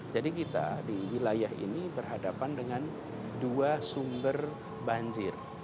jadi kita di wilayah ini berhadapan dengan dua sumber banjir